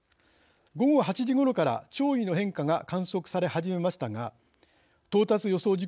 午後８時ごろから潮位の変化が観測され始めましたが到達予想